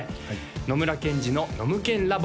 野村ケンジのノムケンＬａｂ！